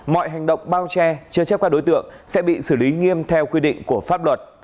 mọi hành động bao che chế chấp các đối tượng sẽ bị xử lý nghiêm theo quy định của pháp luật